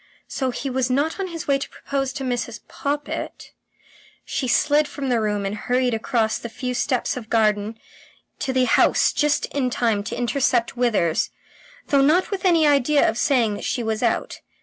So he was not on his way to propose to Mrs. Poppit. ... She slid from the room and hurried across the few steps of garden to the house just in time to intercept Withers though not with any idea of saying that she was out.